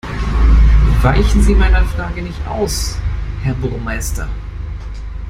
Weichen Sie meiner Frage nicht aus, Herr Burmeister!